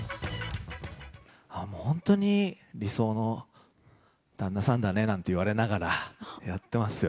もう本当に理想の旦那さんだねなんて言われながらやってますよ。